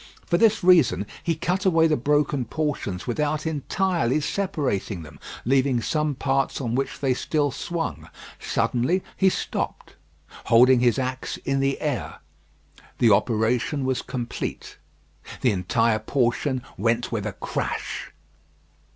For this reason he cut away the broken portions without entirely separating them, leaving some parts on which they still swung. Suddenly he stopped, holding his axe in the air. The operation was complete. The entire portion went with a crash.